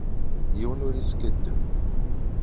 Yiwen ur iskadeb.